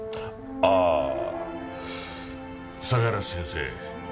ああ相良先生。